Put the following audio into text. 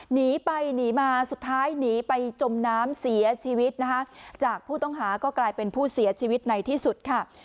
หนีไปหนีมาสุดท้ายหนีไปจมน้ำเสียชีวิตนะคะจากผู้ต้องหาก็กลายเป็นผู้เสียชีวิตในที่สุดค่ะ